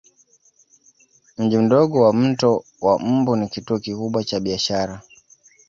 Mji mdogo wa Mto wa Mbu ni kituo kikubwa cha biashara